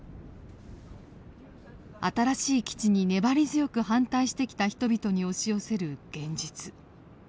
新しい基地に粘り強く反対してきた人々に押し寄せる現実。